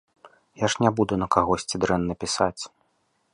Я ж не буду на кагосьці дрэнна пісаць.